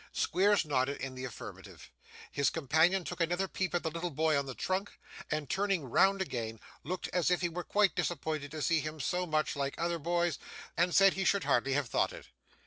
Squeers nodded in the affirmative; his companion took another peep at the little boy on the trunk, and, turning round again, looked as if he were quite disappointed to see him so much like other boys, and said he should hardly have thought it.